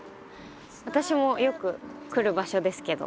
私もよく来る場所ですけど。